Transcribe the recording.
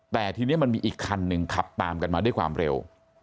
แต่ทีนี้มันมีอีกคันหนึ่งขับตามกันมาด้วยความเร็ว